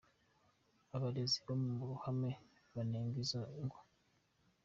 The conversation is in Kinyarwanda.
Abarezi no mu ruhame banenga izo ngwa.